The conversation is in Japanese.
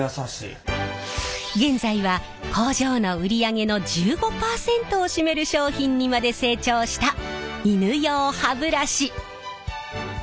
現在は工場の売り上げの１５％を占める商品にまで成長した犬用歯ブラシ。